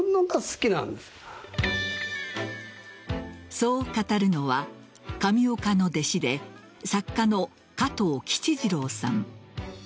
そう語るのは、上岡の弟子で作家の加藤吉治朗さん。